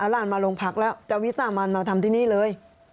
หลานมาโรงพักแล้วจะวิสามันมาทำที่นี่เลย